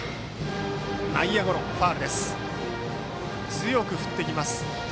強く振ってきました。